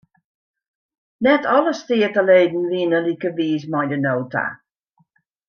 Net alle steateleden wienen like wiis mei de nota.